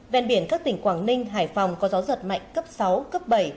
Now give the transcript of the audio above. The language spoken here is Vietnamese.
ven biển các tỉnh quảng ninh hải phòng có gió giật mạnh cấp sáu cấp bảy